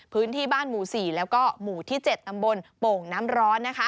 พื้นที่บ้านหมู่๔แล้วก็หมู่ที่๗ตำบลโป่งน้ำร้อน